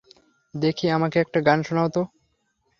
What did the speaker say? দেখি আমাকে একটা গান শুনাও তো।